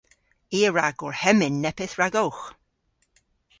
I a wra gorhemmyn neppyth ragowgh.